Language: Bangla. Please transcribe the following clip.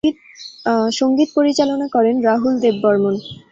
সঙ্গীত পরিচালনা করেন রাহুল দেব বর্মণ।